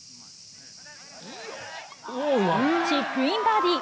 チップインバーディー。